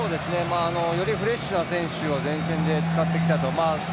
よりフレッシュな選手を前線で使ってきたと。